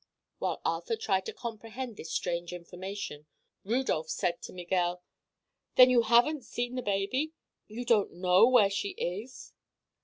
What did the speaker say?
While Arthur tried to comprehend this strange information Rudolph said to Miguel: "Then you haven't seen the baby? You don't know where she is?"